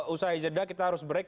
usaha ijadah kita harus break